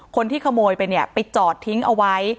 คนที่ขโมยไปเนี่ยไปจอดทิ้งเอาไว้